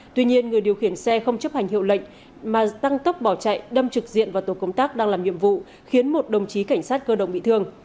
tuy nhiên người điều khiển xe không chấp hành hiệu lệnh mà tăng tốc bỏ chạy đâm trực diện vào tổ công tác đang làm nhiệm vụ khiến một đồng chí cảnh sát cơ động bị thương